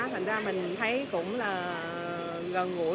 thành ra mình thấy cũng là gần gũi